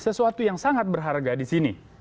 sesuatu yang sangat berharga disini